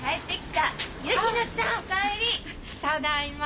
ただいま。